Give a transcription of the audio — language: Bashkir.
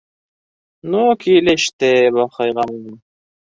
— Ну килеште бохыйға!